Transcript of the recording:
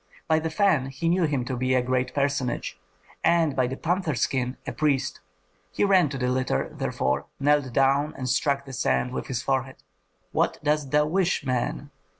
By the fan he knew him to be a great personage, and by the panther skin, a priest. He ran to the litter, therefore, knelt down, and struck the sand with his forehead. "What dost thou wish, man?"